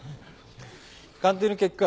鑑定の結果